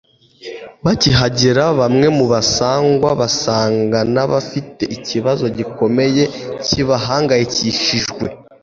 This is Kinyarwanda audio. Bakihagera, bamwe mu basangwa basaga n'abafite ikibazo gikomeye kibahangayikishue.